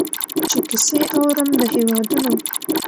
چي کیسې اورم د هیوادونو